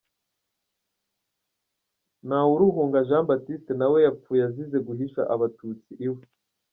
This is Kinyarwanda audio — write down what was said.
Ntawuruhunga Jean Baptiste nawe yapfuye azize guhisha abatutsi iwe.